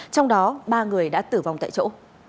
trong đó ba người đã tử vong tại chỗ